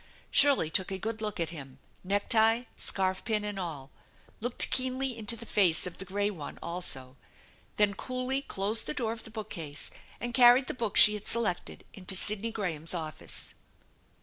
Shirley took a good look at him, necktie, scarf pin, and ail ; looked keenly into the face of the gray one also ; then coolly closed the door of the bookcase and carried the book she had selected into Sidney Graham's office.